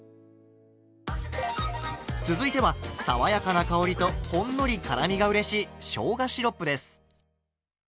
続いては爽やかな香りとほんのり辛みがうれしいしょうがシロップです。